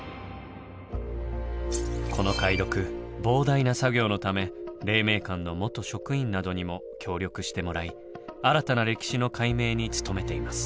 この解読膨大な作業のため黎明館の元職員などにも協力してもらい新たな歴史の解明に努めています。